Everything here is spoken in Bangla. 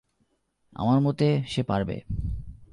আমার মতে সে পারবে।